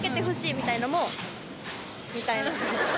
みたいな。